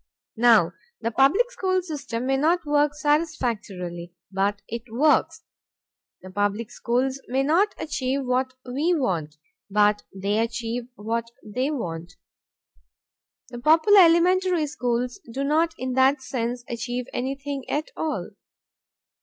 Now the public school system may not work satisfactorily, but it works; the public schools may not achieve what we want, but they achieve what they want. The popular elementary schools do not in that sense achieve anything at all.